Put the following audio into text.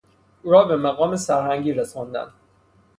او را به مقام سرهنگی رساندند.